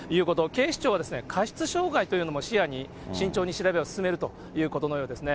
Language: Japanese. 警視庁は、過失傷害というのも視野に、慎重に調べを進めるということのようですね。